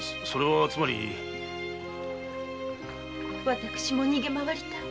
私も逃げ回りたい。